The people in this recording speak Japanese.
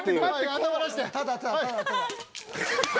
頭出して。